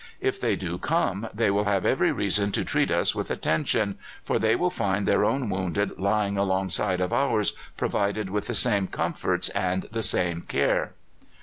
If they do come, they will have every reason to treat us with attention, for they will find their own wounded lying alongside of ours, provided with the same comforts and the same care."